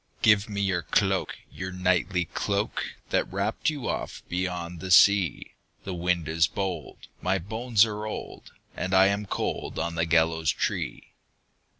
"Give me your cloak, your knightly cloak, That wrapped you oft beyond the sea; The wind is bold, my bones are old, And I am cold on the gallows tree."